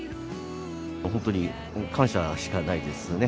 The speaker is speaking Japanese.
本当に感謝しかないですね。